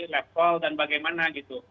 lepol dan bagaimana gitu